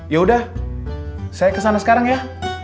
yaudah saya kesana sekarang ya